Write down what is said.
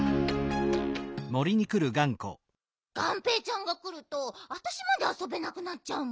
がんぺーちゃんがくるとあたしまであそべなくなっちゃうもん。